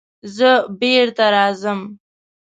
زه بېرته راځم.